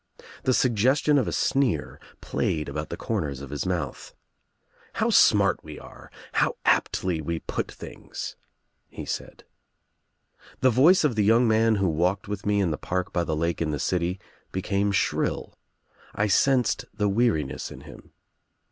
The suggestion of a sneer played about the corners of his mouth. "How smart we are. How aptly we put things," he said. The voice of the young man who walked with me in the park by the lake in the city became shrill. I sensed the weariness in him.